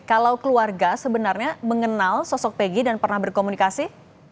kalau keluarga sebenarnya mengenal sosok pegi dan pernah berkomunikasi